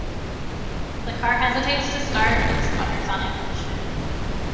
The car hesitates to start and sputters on ignition.